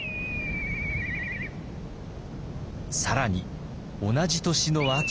更に同じ年の秋。